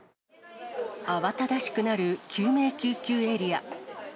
慌ただしくなる救命救急エリア。